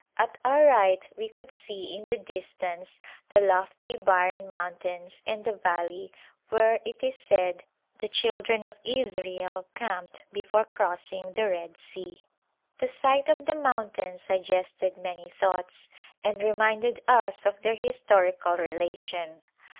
At our right we could see in the distance the lofty barren moun tains and the valley where, it is said, the children of Israel camped before crossing the Red Sea. The sight of the mountains suggested many thoughts and reminded us of their historical relation.